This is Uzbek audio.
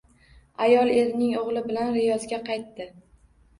Ayol erining oʻgʻli bilan Riyozga qaytdi.